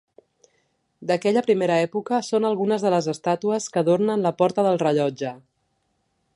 D'aquella primera època són algunes de les estàtues que adornen la Porta del Rellotge.